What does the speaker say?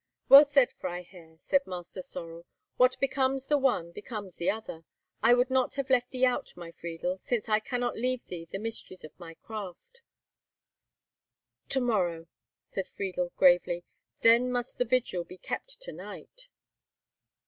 "Well said, Freiherr," said Master Sorel; "what becomes the one becomes the other. I would not have thee left out, my Friedel, since I cannot leave thee the mysteries of my craft." "To morrow!" said Friedel, gravely. "Then must the vigil be kept to night."